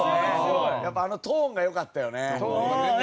やっぱあのトーンがよかったよね。